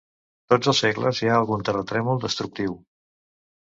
Tots els segles hi ha algun terratrèmol destructiu.